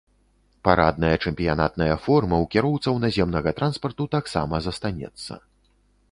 Парадная чэмпіянатная форма ў кіроўцаў наземнага транспарту таксама застанецца.